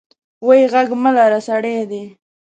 وې غږ مه لره سړي دي.